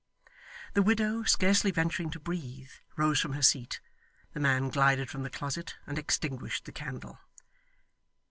The widow, scarcely venturing to breathe, rose from her seat. The man glided from the closet, and extinguished the candle.